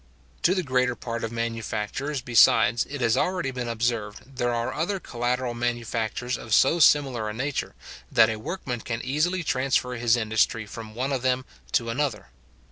To the greater part of manufactures, besides, it has already been observed, there are other collateral manufactures of so similar a nature, that a workman can easily transfer his industry from one of them to another.